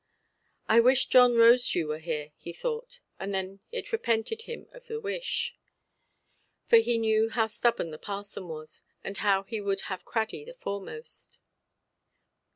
"I wish John Rosedew were here", he thought, and then it repented him of the wish, for he knew how stubborn the parson was, and how he would have Craddy the foremost.